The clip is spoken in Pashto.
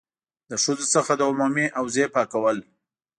له ښځو څخه د عمومي حوزې پاکول.